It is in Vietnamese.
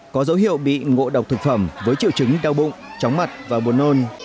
có dấu hiệu bị ngộ độc thực phẩm với triệu chứng đau bụng chóng mặt và buồn nôn